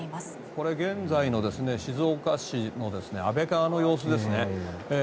これ、現在の静岡市の安倍川の様子ですね。